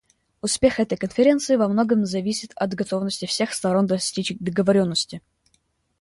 Успех этой Конференции во многом зависит от готовности всех сторон достичь договоренности.